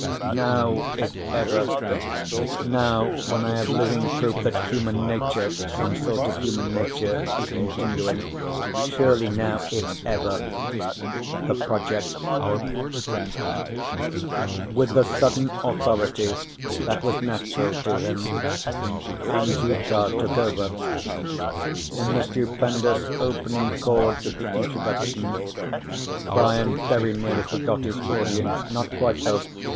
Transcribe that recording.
_Now if ever, now when I have living proof that human nature (some sort of human nature) is continuing surely now, if ever, The Project _With the sudden authority that was natural to him, Andrew Carr took over. In the stupendous opening chords of the introduction, Brian very nearly forgot his audience. Not quite, though.